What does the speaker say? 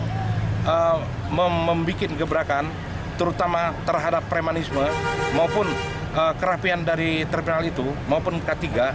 kita membuat gebrakan terutama terhadap premanisme maupun kerapian dari terminal itu maupun k tiga